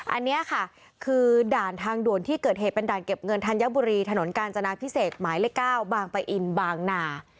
อันนี้ค่ะคือด่านทางด่วนที่เกิดเหตุเป็นด่านเก็บเงินธัญบุรีถนนกาญจนาพิเศษหมายเลข๙บางปะอินบางนา